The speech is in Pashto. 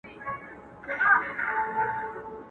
لکه ښاخ د زاړه توت غټ مړوندونه!!